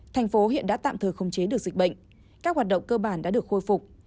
thành phố hiện đã tạm thời không chế được dịch bệnh các hoạt động cơ bản đã được khôi phục